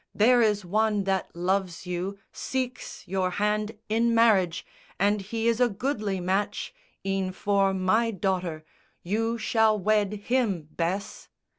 There is one that loves you, seeks Your hand in marriage, and he is a goodly match E'en for my daughter. You shall wed him, Bess!"